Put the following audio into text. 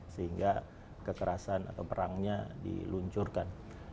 sehingga kekerasan atau perangnya diluncurkan